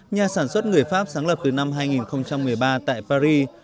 nhà sản xuất người pháp sáng lập từ năm hai nghìn một mươi ba tại paris